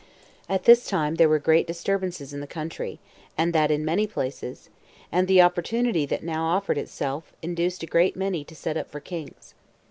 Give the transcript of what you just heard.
1. At this time there were great disturbances in the country, and that in many places; and the opportunity that now offered itself induced a great many to set up for kings.